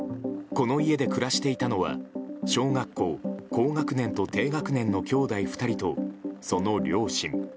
この家で暮らしていたのは小学校高学年と低学年の兄弟２人とその両親。